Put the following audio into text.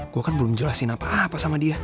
gue kan belum jelasin apa apa sama dia